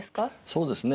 そうですね。